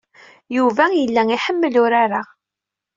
Yuba yella iḥemmel urar-a.